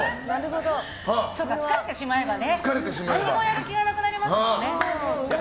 そうか、疲れてしまえばね何もやる気がなくなりますもんね。